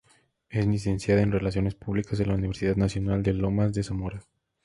Es licenciada en Relaciones Públicas de la Universidad Nacional de Lomas de Zamora.